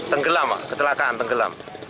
tenggelam kecelakaan tenggelam